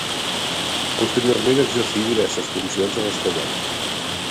Posteriorment exercí diverses funcions a l'Espanyol.